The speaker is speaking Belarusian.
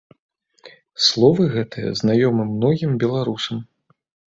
Словы гэтыя знаёмы многім беларусам.